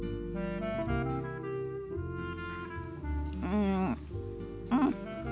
うんうん。